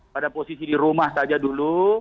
pada posisi di rumah saja dulu